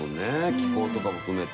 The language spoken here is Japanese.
気候とかも含めて。